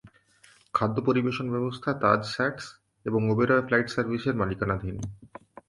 খাদ্য পরিবেশন ব্যবস্থা তাজ-স্যাটস এবং ওবেরয় ফ্লাইট সার্ভিসের মালিকানাধীন।